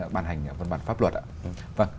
bàn hành văn bản pháp luật ạ